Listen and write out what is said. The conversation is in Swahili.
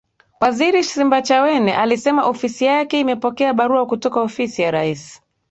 Waziri Simbachawene alisema ofisi yake imepokea barua kutoka Ofisi ya Rais